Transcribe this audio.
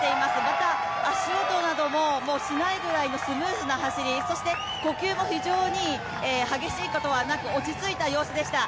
また、足音などもしないぐらいのスムーズな走りそして呼吸も非常に激しいことはなく落ち着いた様子でした。